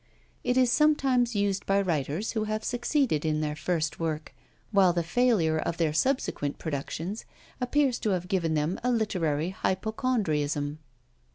It is sometimes used by writers who have succeeded in their first work, while the failure of their subsequent productions appears to have given them a literary hypochondriasm.